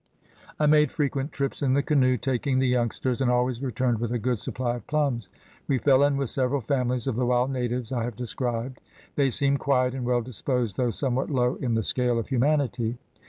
"I made frequent trips in the canoe, taking the youngsters, and always returned with a good supply of plums. We fell in with several families of the wild natives I have described. They seemed quiet and well disposed, though somewhat low in the scale of humanity.